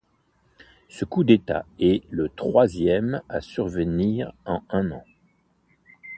Ce coup d'État est le troisième à survenir en un an.